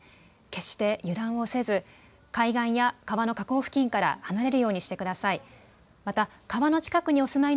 決して油断をせず海岸や川の河口付近から離れるようにしてください。